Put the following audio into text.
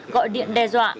gọi điện đe dọa